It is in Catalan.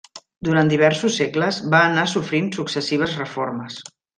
Durant diversos segles va anar sofrint successives reformes.